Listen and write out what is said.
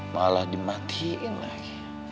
malah dimatiin lagi